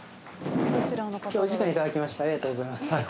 今日お時間頂きましてありがとうございます。